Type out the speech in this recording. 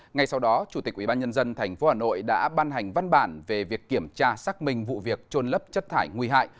ngay sau đó chủ tịch ubnd tp hà nội đã ban hành văn bản về việc kiểm tra xác minh vụ việc trôn lấp chất thải nguy hại